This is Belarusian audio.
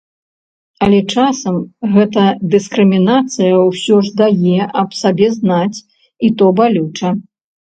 Але часам гэта дыскрымінацыя ўсё ж дае аб сабе знаць, і то балюча.